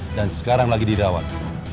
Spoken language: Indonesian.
dan sekarang lagi didawat